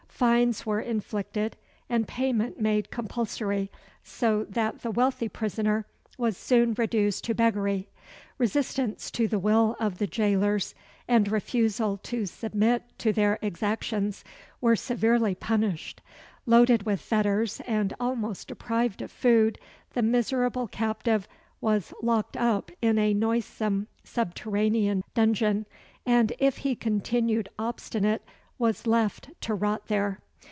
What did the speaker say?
Fines were inflicted and payment made compulsory, so that the wealthy prisoner was soon reduced to beggary. Resistance to the will of the jailers, and refusal to submit to their exactions, were severely punished. Loaded with fetters, and almost deprived of food, the miserable captive was locked up in a noisome subterranean dungeon; and, if he continued obstinate, was left to rot there.